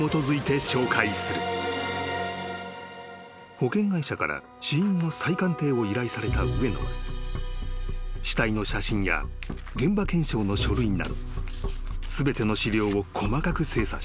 ［保険会社から死因の再鑑定を依頼された上野は死体の写真や現場検証の書類など全ての資料を細かく精査した］